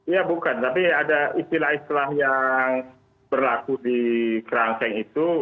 ya bukan tapi ada istilah istilah yang berlaku di kerangkeng itu